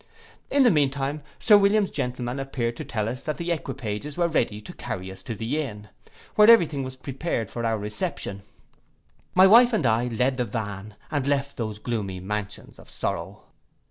In the mean time Sir William's gentleman appeared to tell us that the equipages were ready to carry us to the inn, where every thing was prepared for our reception. My wife and I led the van, and left those gloomy mansions of sorrow.